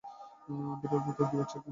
বিড়াল তার দু বাচ্চাকে নিয়ে বের হয়ে গেল।